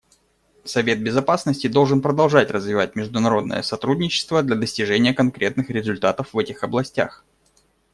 Совет Безопасности должен продолжать развивать международное сотрудничество для достижения конкретных результатов в этих областях.